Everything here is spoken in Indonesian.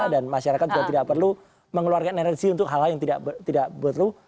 dan masyarakat juga tidak perlu mengeluarkan energi untuk hal hal yang tidak perlu